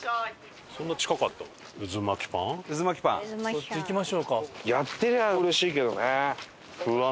そっち行きましょうか。